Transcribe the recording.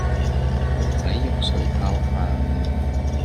蠔仔肉碎泡飯